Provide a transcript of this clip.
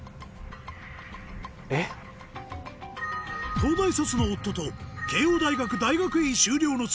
東大卒の夫と慶應大学大学院修了の妻